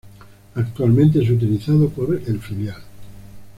Actualmente es utilizado por el filial.